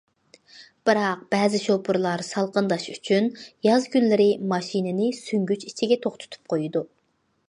بىراق بەزى شوپۇرلار سالقىنداش ئۈچۈن، ياز كۈنلىرى ماشىنىنى سۈڭگۈچ ئىچىگە توختىتىپ قويىدۇ.